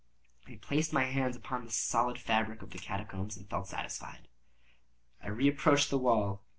I placed my hand upon the solid fabric of the catacombs, and felt satisfied. I reapproached the wall.